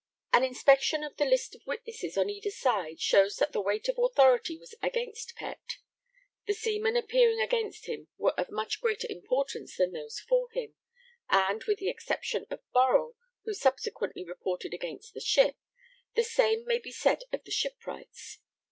An inspection of the list of witnesses on either side shows that the weight of authority was against Pett: the seamen appearing against him were of much greater importance than those for him, and, with the exception of Burrell, who subsequently reported against the ship, the same may be said of the shipwrights.